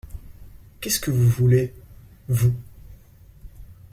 Qu’est-ce que vous voulez… vous ?